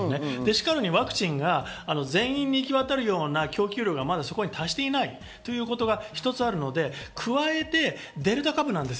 ワクチンが全員に行き渡るような供給量がまだそこに達していないということが一つあるので、加えてデルタ株です。